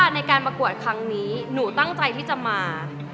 ในการประกวดครั้งนี้หนูตั้งใจที่จะมา